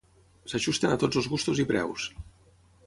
S'ajusten a tots els gustos i preus.